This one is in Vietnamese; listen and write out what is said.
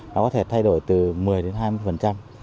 nó có thể thay đổi từ một mươi đến hai mươi